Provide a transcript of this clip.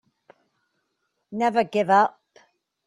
Never give up.